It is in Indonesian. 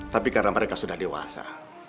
tapi karena mereka sudah dewasa